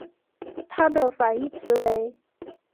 它的反义词为。